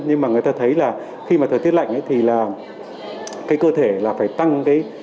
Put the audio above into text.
nhưng mà người ta thấy là khi mà thời tiết lạnh thì cơ thể phải tăng